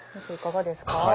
先生いかがですか？